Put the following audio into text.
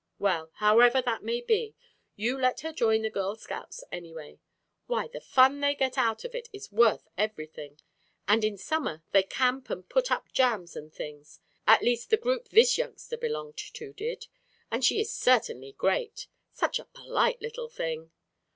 "Well, however that may be, you let her join the Girl Scouts anyway. Why, the fun they get out of it is worth everything. And in summer they camp and put up jams and things, at least the group this youngster belonged to did, and she is certainly great. Such a polite little thing."